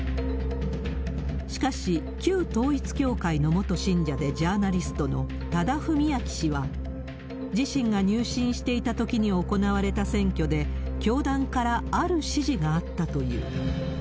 しかし、旧統一教会の元信者でジャーナリストの多田文明氏は、自身が入信していたときに行われた選挙で、教団からある指示があったという。